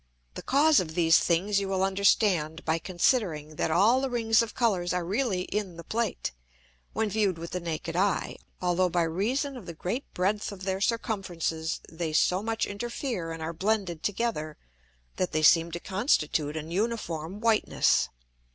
The Cause of these things you will understand by considering, that all the Rings of Colours are really in the Plate, when view'd with the naked Eye, although by reason of the great breadth of their Circumferences they so much interfere and are blended together, that they seem to constitute an uniform whiteness.